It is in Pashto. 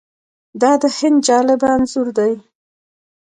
دا د هند جالب انځور دی.